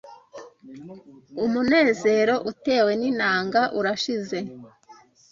umunezero utewe n’inanga urashize